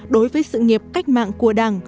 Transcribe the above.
đối với sự nghiệp cách mạng của đảng